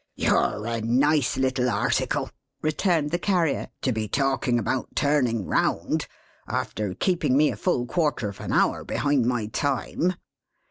"You're a nice little article," returned the Carrier, "to be talking about turning round, after keeping me a full quarter of an hour behind my time."